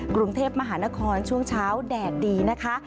กรุงเทพมหานครช่วงเช้าแดดดีนะคะ